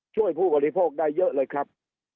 ผู้บริโภคได้เยอะเลยครับ